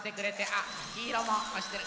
あっきいろもおしてる。